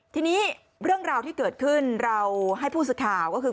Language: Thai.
ทีนี้เรื่องราวที่เกิดขึ้นเราให้ผู้สื่อข่าวก็คือ